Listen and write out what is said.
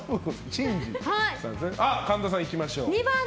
神田さん、いきましょう。